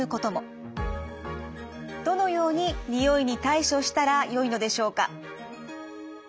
どのようににおいに対処したらよいのでしょうか？